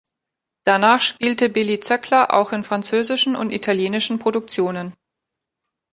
Danach spielte Billie Zöckler auch in französischen und italienischen Produktionen.